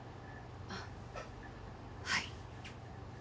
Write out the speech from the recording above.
あっはい。